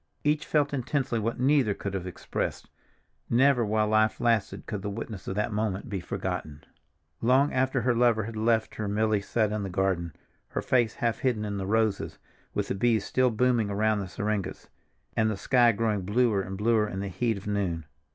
Each felt intensely what neither could have expressed. Never, while life lasted, could the witness of that moment be forgotten. Long after her lover had left her Milly sat in the garden, her face half hidden in the roses, with the bees still booming around the syringas, and the sky growing bluer and bluer in the heat of noon.